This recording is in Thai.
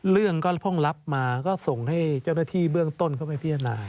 เรื่องก็เพิ่งรับมาก็ส่งให้เจ้าหน้าที่เบื้องต้นเข้าไปพิจารณา